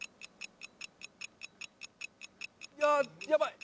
あやばい。